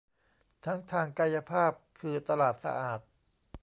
ทั้งทางกายภาพคือตลาดสะอาด